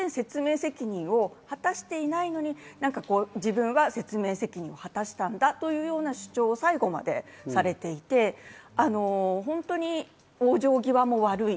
全然説明責任を果たしていないのに自分は説明責任を果たしたんだというような主張を最後までされていて、往生際も悪い。